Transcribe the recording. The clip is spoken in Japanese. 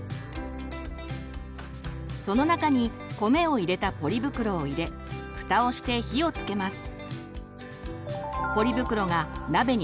その中に米を入れたポリ袋を入れふたをして火をつけます。